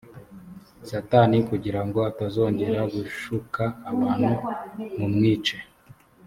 satani kugira ngo atazongera gushuka abantu mumwice.